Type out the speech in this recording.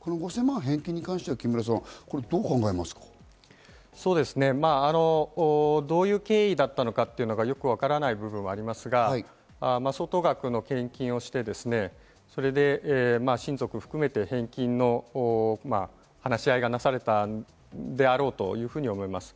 ５０００万の返金に関しては、どういう経緯だったのかというのがよくわからない部分がありますが、相当額の献金をして、それで親族含めて返金の話し合いがなされたんであろうというふうに思います。